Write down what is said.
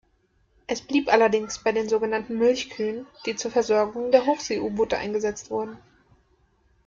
Es blieb allerdings bei den sogenannten "Milchkühen", die zur Versorgung der Hochsee-U-Boote eingesetzt wurden.